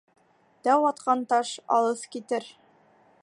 Тәү атҡан таш алыҫ китер.